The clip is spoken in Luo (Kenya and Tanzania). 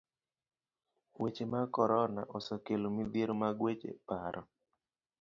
Weche mag korona osekelo midhiero mag weche paro.